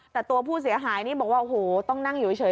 แต่ตัวผู้เสียหายนี่บอกว่าโอ้โหต้องนั่งอยู่เฉย